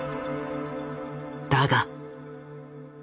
だが。